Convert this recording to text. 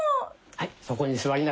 はい。